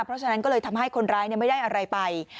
เพราะฉะนั้นก็เลยทำให้คนร้ายไม่ได้อะไรไป